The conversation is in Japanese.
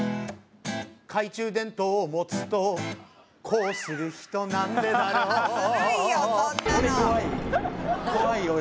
「懐中電灯を持つとこうする人なんでだろう」ずるいよ